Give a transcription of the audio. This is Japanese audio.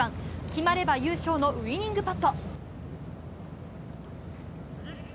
決まれば優勝のウイニングパット。